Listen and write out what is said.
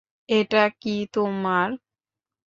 এটা কী তোমার?